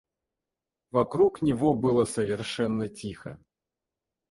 Вокруг него было совершенно тихо.